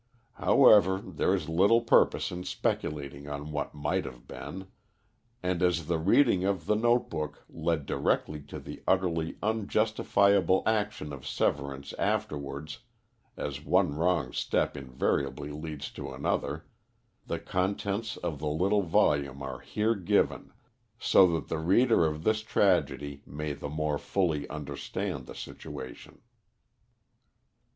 However, there is little purpose in speculating on what might have been, and as the reading of the note book led directly to the utterly unjustifiable action of Severance afterwards, as one wrong step invariably leads to another, the contents of the little volume are here given, so that the reader of this tragedy may the more fully understand the situation.